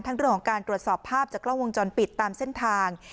เรื่องของการตรวจสอบภาพจากกล้องวงจรปิดตามเส้นทาง